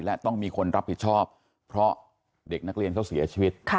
และต้องมีคนรับผิดชอบเพราะเด็กนักเรียนเขาเสียชีวิต